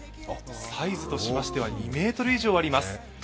サイズとしましては２ｍ以上あります。